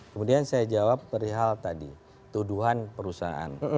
kemudian saya jawab perihal tadi tuduhan perusahaan